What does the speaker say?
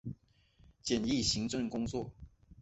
简易行政工作